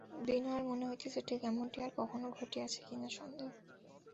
বিনয়ের মনে হইতেছে ঠিক এমনটি আর কখনো ঘটিয়াছে কি না সন্দেহ।